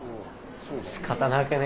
しかたなくね？